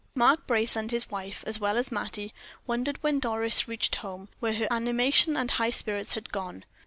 Mark Brace and his wife, as well as Mattie, wondered when Doris reached home, where her animation and high spirits had gone.